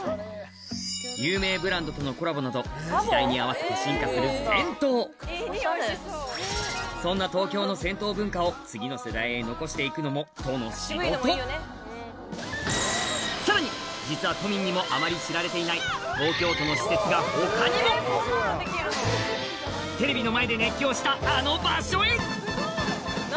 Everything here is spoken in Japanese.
有名ブランドとのコラボなど時代に合わせて進化する銭湯そんな東京の残していくのも都の仕事さらに実は都民にもあまり知られていない東京都の施設が他にもテレビの前で熱狂したあの場所へ何？